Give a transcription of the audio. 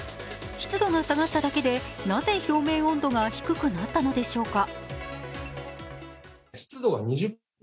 湿度が下がっただけでなぜ表面温度が低くなったんでしょうか。